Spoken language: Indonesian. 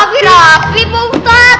tapi tapi tapi bapak ustadz